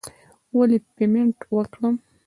ولې پیمنټ وکړم.